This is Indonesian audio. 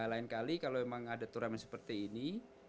lain kali kalau memang ada turnamen seperti ini